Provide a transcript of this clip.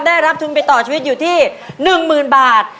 ได้รับทุนไปต่อชีวิตอยู่ที่๑๐๐๐บาท